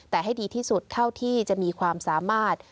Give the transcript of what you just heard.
แต่ให้ดีที่สุดเท่าที่จะมีความสามารถ